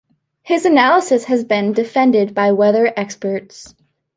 His analysis has been defended by weather experts.